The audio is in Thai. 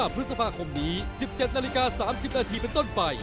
พฤษภาคมนี้๑๗นาฬิกา๓๐นาทีเป็นต้นไป